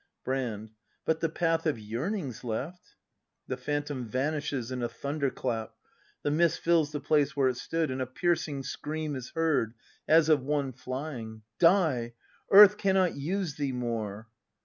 Brand. But the path of yearning's left! The Phantom. [Vanishes in a thunder clap; the mist Jills the place where it stood; and a piercing scream is heard, as of one flying.] Die! Earth cannot use thee more!